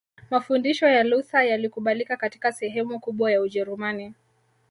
Mafundisho ya Luther yalikubalika katika sehemu kubwa ya Ujerumani